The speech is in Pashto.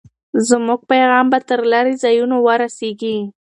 زموږ پیغام به تر لرې ځایونو ورسېږي.